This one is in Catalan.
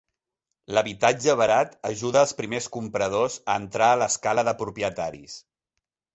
L'habitatge barat ajuda als primers compradors a entrar a l'escala de propietaris.